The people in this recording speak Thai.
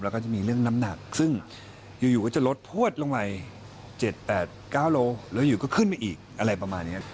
แล้วก็จะมีเรื่องน้ำหนักซึ่งอยู่ก็จะลดพวดลงไป๗๘๙โลแล้วอยู่ก็ขึ้นไปอีกอะไรประมาณนี้